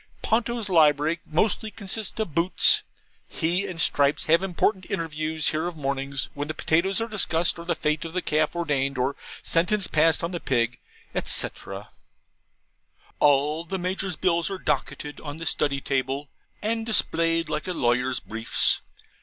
Ponto's library mostly consists of boots. He and Stripes have important interviews here of mornings, when the potatoes are discussed, or the fate of the calf ordained, or sentence passed on the pig, &c.. All the Major's bills are docketed on the Study table and displayed like a lawyer's briefs.